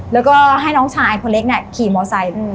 แล้วก็ให้น้องชายคนเล็กเนี่ยขี่มอไซค์